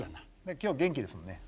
今日元気ですもんね。